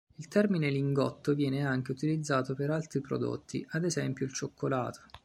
Il termine "lingotto" viene anche utilizzato per altri prodotti, ad esempio il cioccolato.